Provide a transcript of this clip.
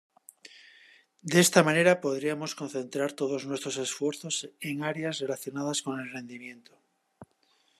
De esa manera podríamos concentrar todos nuestros esfuerzos en áreas relacionadas con el rendimiento.